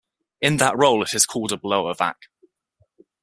In that role it is called a blower vac.